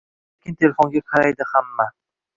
Sekin telefonga qaraydi hamma.